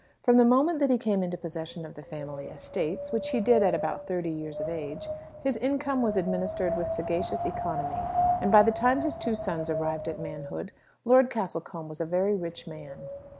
From the moment that he came into possession of the family estates, which he did at about thirty years of age, his income was administered with sagacious economy, and by the time his two sons arrived at manhood Lord Castlecombe was a very rich man.